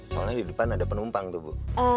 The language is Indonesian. soalnya di depan ada penumpang tuh bu